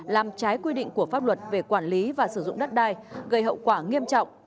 làm trái quy định của pháp luật về quản lý và sử dụng đất đai gây hậu quả nghiêm trọng